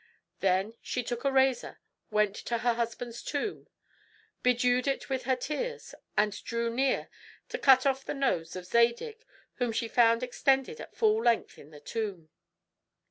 She then took a razor, went to her husband's tomb, bedewed it with her tears, and drew near to cut off the nose of Zadig, whom she found extended at full length in the tomb.